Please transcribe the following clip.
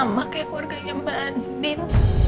kayak keluarganya mbak adin